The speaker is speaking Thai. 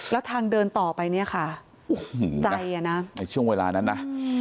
แล้วทางเดินต่อไปเนี่ยค่ะโอ้โหใจอ่ะนะในช่วงเวลานั้นนะ